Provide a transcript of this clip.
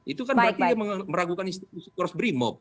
itu kan berarti meragukan institusi kursus brimop